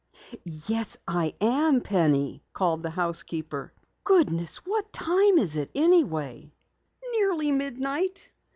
"Yes, I am, Penny," called the housekeeper. "Goodness, what time is it anyway?" "Nearly midnight."